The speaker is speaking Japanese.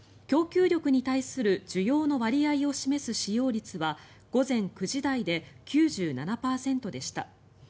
供給力に対する需要の割合を示す使用率は午前９時台で９７％でした。